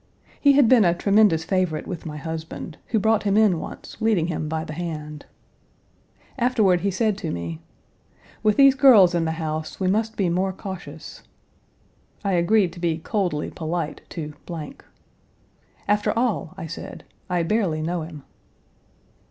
He had been a tremendous favorite with my husband, who brought him in once, leading him Page 242 by the hand. Afterward he said to me, "With these girls in the house we must be more cautious." I agreed to be coldly polite to . "After all," I said, "I barely know him."